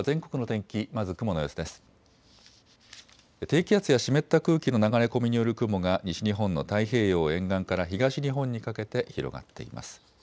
低気圧や湿った空気の流れ込みによる雲が西日本の太平洋沿岸から東日本にかけて広がっています。